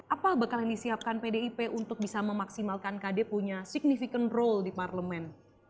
apa bekal yang disiapkan pdip untuk bisa memaksimalkan kd punya signifikan role di parlemen